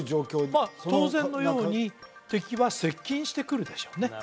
まあ当然のように敵は接近してくるでしょうね